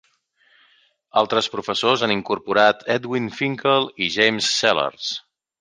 Altres professors han incorporat Edwin Finckel i James Sellars.